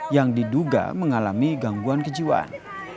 yang diduga mengalami gangguan kejiwaan